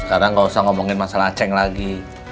sekarang gak usah ngomongin masalah ceng lagi